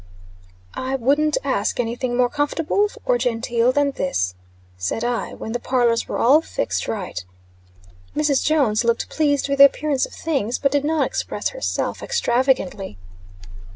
"I wouldn't ask any thing more comfortable or genteel than this," said, I, when the parlors were all "fixed" right. Mrs. Jones looked pleased with the appearance of things, but did not express herself extravagantly.